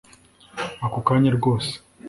ako kanya rwose